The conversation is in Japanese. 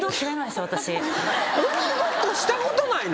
鬼ごっこしたことないの！？